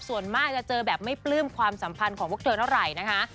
ส่วนมากจะเจอแบบไม่ปลื้มความสัมพันธ์ของพวกเธอเท่าไหร่นะคะ